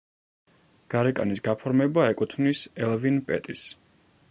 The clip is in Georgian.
გარეკანის გაფორმება ეკუთვნის ელვინ პეტის.